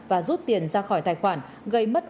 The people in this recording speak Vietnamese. và rút tiền ra khỏi tài khoản gây mất